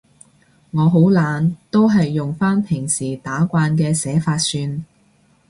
我好懶，都係用返平時打慣嘅寫法算